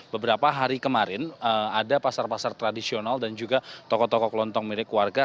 beberapa hari kemarin ada pasar pasar tradisional dan juga toko toko kelontong milik warga